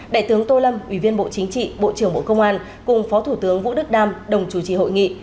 đại tướng tô lâm ủy viên bộ chính trị bộ trưởng bộ công an cùng phó thủ tướng vũ đức đam đồng chủ trì hội nghị